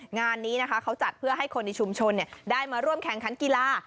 งานนี้นะคะเขาจัดเพื่อให้คนในชุมชนได้มาร่วมแข่งขันกีฬา